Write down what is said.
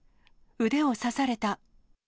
腕を刺された。